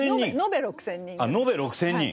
延べ６０００人。